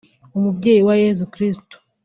Umubyeyi wa Yezu Kristu